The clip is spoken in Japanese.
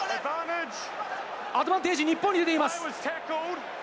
アドバンテージ、日本に出ています。